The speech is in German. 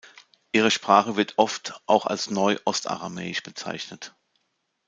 Ihre Sprache wird oft auch als Neu-Ostaramäisch bezeichnet.